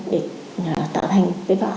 để tạo thành tế bào